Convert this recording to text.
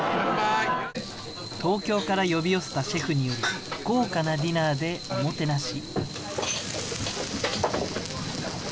東京から呼び寄せたシェフによる豪華なディナーでおもてなし。